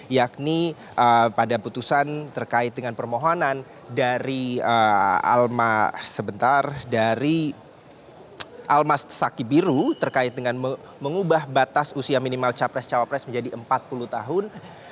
yakni pada putusan terkait dengan permohonan dari alma sebentar dari almas saki biru terkait dengan mengubah batas usia minimal capres cawapres menjadi empat puluh tahun